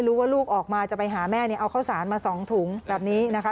ไม่รู้ว่าลูกออกมาจะไปหาแม่เอาข้าวสารมา๒ถุงแบบนี้นะคะ